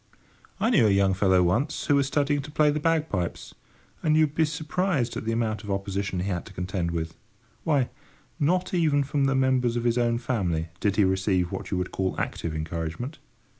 I knew a young fellow once, who was studying to play the bagpipes, and you would be surprised at the amount of opposition he had to contend with. Why, not even from the members of his own family did he receive what you could call active encouragement.